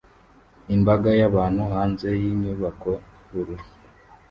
Imbaga y'abantu hanze yinyubako yubururu